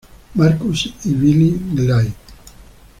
Marcus y Billy Glide.